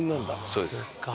そうです。